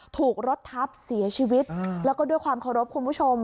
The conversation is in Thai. ถูกรถทับเสียชีวิตแล้วก็ด้วยความเคารพคุณผู้ชม